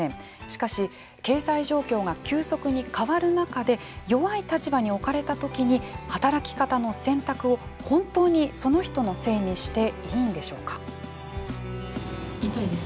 しかし経済状況が急速に変わる中で弱い立場に置かれた時に働き方の選択を本当にその人のせいにしていいんでしょうか。